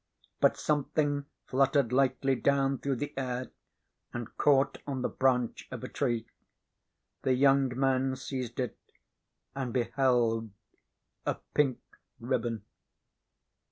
But something fluttered lightly down through the air and caught on the branch of a tree. The young man seized it, and beheld a pink ribbon.